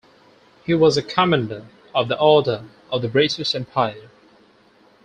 He was a Commander of the Order of the British Empire.